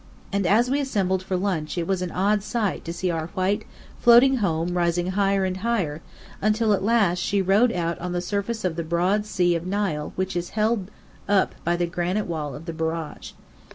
And as we assembled for lunch it was an odd sight to see our white, floating home rising higher and higher, until at last she rode out on the surface of the broad sea of Nile which is held up by the granite wall of the Barrage.